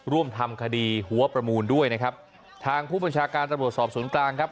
ร่วมทำคดีหัวประมูลด้วยนะครับทางผู้บัญชาการตำรวจสอบศูนย์กลางครับ